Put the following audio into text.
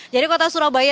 jadi kota surabaya